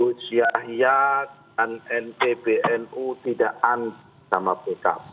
gus yaya dan pbnu tidak sama pkb